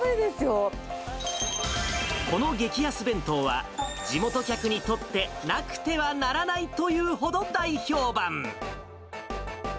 この激安弁当は、地元客にとってなくてはならないというほど大評判。